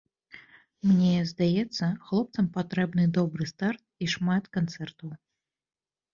Мне здаецца, хлопцам патрэбны добры старт і шмат канцэртаў.